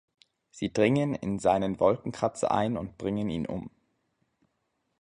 Sie dringen in seinen Wolkenkratzer ein und bringen ihn um.